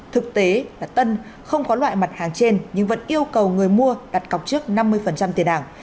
thực tế là tân không có loại mặt hàng trên nhưng vẫn yêu cầu người mua đặt cọc trước năm mươi tiền ảo